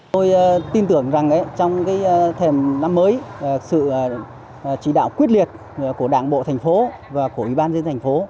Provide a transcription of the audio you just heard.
tôi tin tưởng rằng trong thềm năm mới sự chỉ đạo quyết liệt của đảng bộ thành phố và của ủy ban dân thành phố